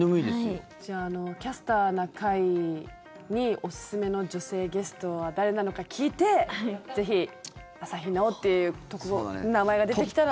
じゃあ「キャスターな会」におすすめの女性ゲストは誰なのか聞いてぜひ、朝日奈央っていう名前が出てきたら。